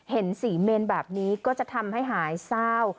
เห็นสีเมนแบบนี้ก็จะทำให้หายเศร้า